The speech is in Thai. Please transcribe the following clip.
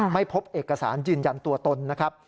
ไม่พบเอกสารยืนยันตัวตนนะครับ